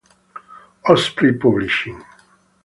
Osprey Publishing.